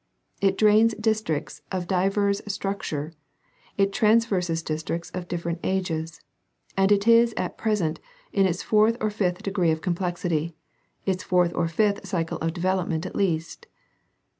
It drains districts of divers struc ture ; it traverses districts of different ages ; and it is at present in its fourth or fifth degree of complexity, its fourth or fifth cycle of development at least.